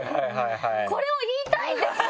これを言いたいんです！